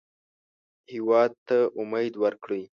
هېواد ته امید ورکړئ